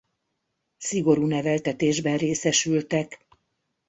Szigorú neveltetésben részesültek.